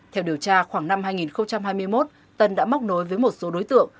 theo điều tra khoảng năm hai nghìn hai mươi một tân đã móc nối với một số đối tượng